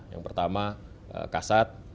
yang pertama kasat